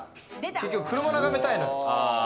結局、車眺めたいのよ。